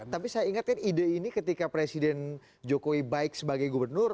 tapi saya ingatkan ide ini ketika presiden jokowi baik sebagai gubernur